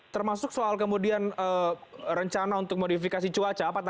termasuk soal kemudian rencana untuk modifikasi cuaca apa tadi